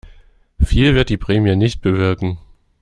Viel wird die Prämie nicht bewirken.